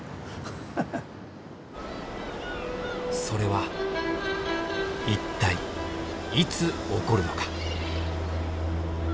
それは一体いつ起こるのか？